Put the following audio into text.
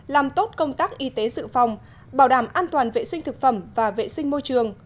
làm tốt công tác y tế dự phòng bảo đảm an toàn vệ sinh thực phẩm và vệ sinh môi trường